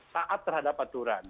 saat terhadap aturan